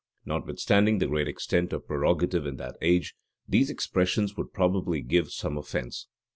[*] Notwithstanding the great extent of prerogative in that age, these expressions would probably give some offence.